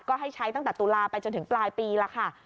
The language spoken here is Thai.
ก็ให้ใช้ตั้งแต่ตุลาไปจนถึงปลายปีแล้วค่ะ